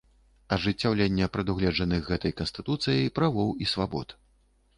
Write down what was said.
Ажыццяўленне прадугледжаных гэтай Канстытуцыяй правоў і свабод.